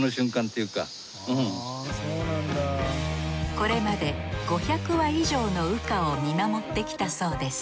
これまで５００羽以上の羽化を見守ってきたそうです